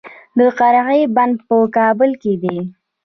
د قرغې بند په کابل کې دی